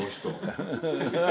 ハハハ。